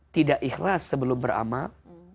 tidak ikhlas sebelum beramal